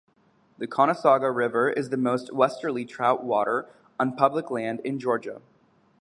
The Conasauga River is the most westerly trout water on public land in Georgia.